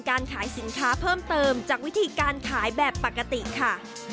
การขายสินค้าเพิ่มเติมจากวิธีการขายแบบปกติค่ะ